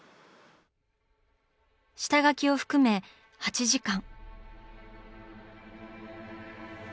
下描きを含め８時間。